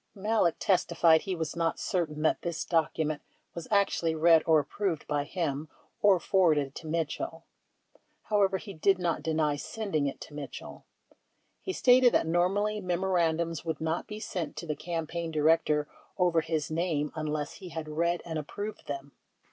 Malek testified he was not certain that this document was actually read or approved by him or forwarded to Mitchell; however, he did not deny sending it to Mitchell. He stated that normally memoran dums would not be sent to the campaign director over his name unless he had read and approved them.